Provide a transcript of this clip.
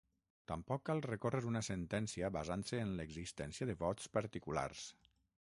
Tampoc cal recórrer una sentència basant-se en l'existència de vots particulars.